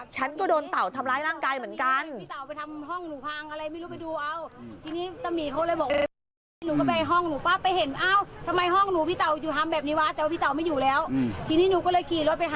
ฉันก็โดนเต่าทำร้ายร่างกายเหมือนกัน